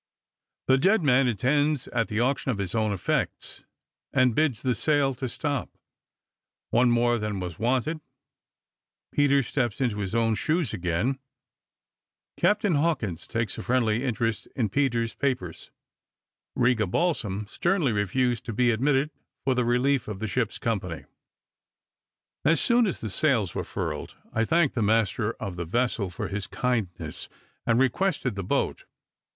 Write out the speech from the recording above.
THE DEAD MAN ATTENDS AT THE AUCTION OF HIS OWN EFFECTS, AND BIDS THE SALE TO STOP ONE MORE THAN WAS WANTED PETER STEPS INTO HIS OWN SHOES AGAIN CAPTAIN HAWKINS TAKES A FRIENDLY INTEREST IN PETER'S PAPERS RIGA BALSAM STERNLY REFUSED TO BE ADMITTED FOR THE RELIEF OF THE SHIP'S COMPANY. As soon as the sails were furled, I thanked the master of the vessel for his kindness, and requested the boat.